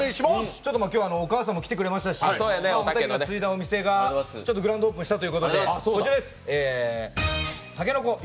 今日はお母さんも来てくれましたし、おたけが継いだお店がグランドオープンしたということでこちらです。